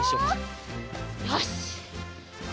よし！